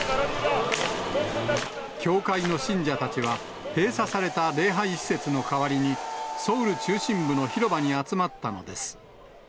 教会の信者たちは、閉鎖された礼拝施設の代わりに、ソウル中心部の広場に集まったのです。